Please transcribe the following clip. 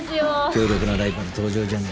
強力なライバル登場じゃねえか。